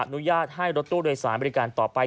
อนุญาตให้รถตู้โดยสารบริการต่อไป